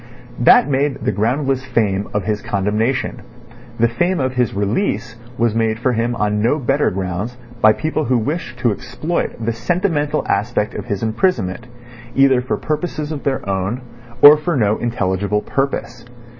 That made the groundless fame of his condemnation; the fame of his release was made for him on no better grounds by people who wished to exploit the sentimental aspect of his imprisonment either for purposes of their own or for no intelligible purpose.